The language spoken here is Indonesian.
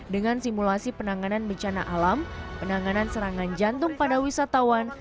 dengan simulasi penanganan bencana alam penanganan serangan jantung pada wisatawan